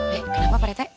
eh kenapa pak rete